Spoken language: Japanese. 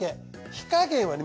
火加減はね